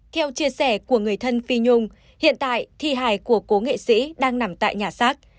theo chia sẻ của người thân phi nhung hiện tại thi hài của cố nghệ sĩ đang nằm tại nhà xác